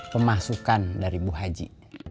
pemasukan dari bu haji